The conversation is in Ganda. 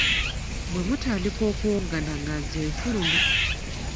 Bwe mutandika okuwoggana nga nze nfuluma.